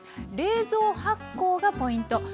冷蔵発酵がポイント。